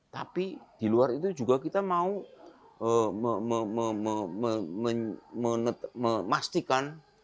tapi di luar itu juga kita mau memastikan